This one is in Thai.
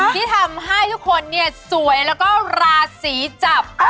ที่ทำให้ทุกคนเนี่ยสวยแล้วก็ราศีจับ